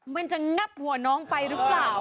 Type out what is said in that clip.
มันจะงับหัวน้องไปหรือเปล่า